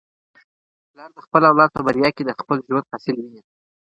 پلار د خپل اولاد په بریا کي د خپل ژوند حاصل ویني.